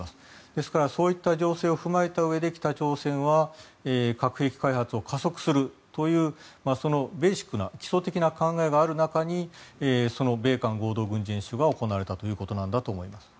ですから、そういった情勢を踏まえたうえで北朝鮮は核兵器開発を加速するというベーシックな基礎的な考えがある中にその米韓合同軍事演習が行われたということなんだと思います。